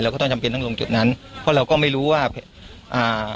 ก็ต้องจำเป็นต้องลงจุดนั้นเพราะเราก็ไม่รู้ว่าอ่า